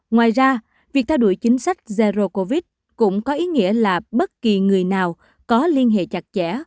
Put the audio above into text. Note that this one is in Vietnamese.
ngoài ra việc theo đuổi chính sách zero covid cũng có ý nghĩa là bất kỳ người nào có liên hệ chặt chẽ